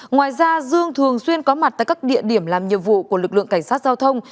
ngoài ra dương thường xuyên có mặt tại các địa điểm làm nhiệm vụ của lực lượng cảnh sát giao thông